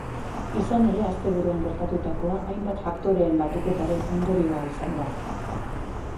Izan ere, asteburuan gertatutakoa hainbat faktoreen batuketaren ondorioa izan da.